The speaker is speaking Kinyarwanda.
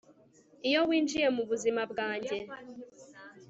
iyo winjiye mubuzima bwanjye